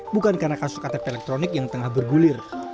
bukan karena kasus ktp elektronik yang tengah bergulir